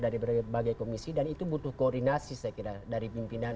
dari berbagai komisi dan itu butuh koordinasi saya kira dari pimpinan